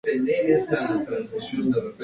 En otros mercados mostró un recibimiento similar.